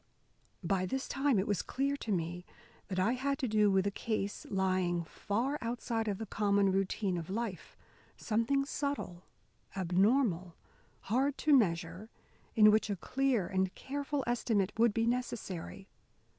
By this time it was clear to me that I had to do with a case lying far outside of the common routine of life; something subtle, abnormal, hard to measure, in which a clear and careful estimate would be necessary.